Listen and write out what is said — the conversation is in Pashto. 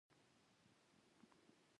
میاشتنی عاید مو څومره دی؟